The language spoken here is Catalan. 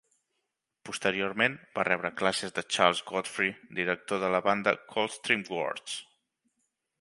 Posteriorment va rebre classes de Charles Godfrey, director de la banda Coldstream Guards.